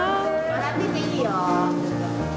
笑ってていいよ。